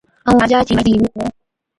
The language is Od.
ائُون راجا چِي مرضِي هِلِي تہ،